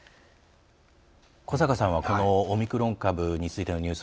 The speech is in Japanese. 古坂さんはオミクロン株についてのニュース